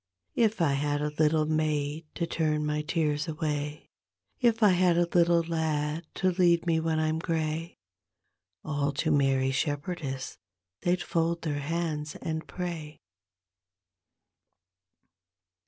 If I bad a little maid to turn my tears away. If 1 had a little lad to lead me when I'm gray. All to Mary Shepherdess they'd fold their hands and pray.